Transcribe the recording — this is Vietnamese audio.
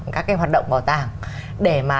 các cái hoạt động bảo tàng để mà